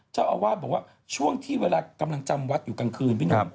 เจ้าอาวาสบอกว่าช่วงที่เวลากำลังจำวัดอยู่กลางคืนพี่หนุ่ม